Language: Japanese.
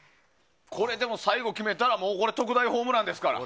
でも、最後決めたら特大ホームランですから。